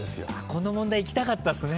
この問題いきたかったっすね。